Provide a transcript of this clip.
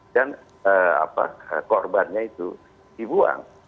dan korbannya itu dibuang